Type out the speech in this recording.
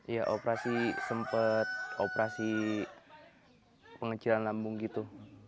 iya operasi sempat operasi pengecilan lambung gitu